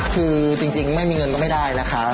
คือจริงไม่มีเงินก็ไม่ได้นะคะ